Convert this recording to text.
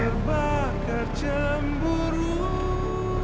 kamu tetap sayang